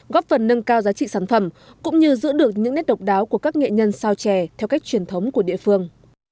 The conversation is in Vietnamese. góp phần nâng cao giá trị sản phẩm cũng như giữ được những nét độc đáo của các nghệ nhân sao chè theo cách truyền thống của địa phương